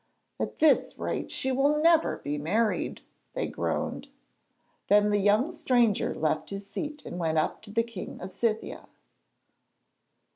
'At this rate she will never be married,' they groaned. Then the young stranger left his seat and went up to the King of Scythia.